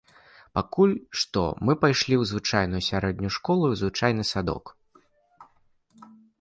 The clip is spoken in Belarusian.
Пакуль што мы пайшлі ў звычайную сярэднюю школу і ў звычайны садок.